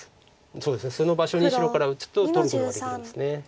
そうですねその場所に白から打つと取ることができるんです。